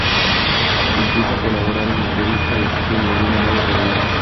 Empieza a colaborar en la revista "Destino" de un modo regular.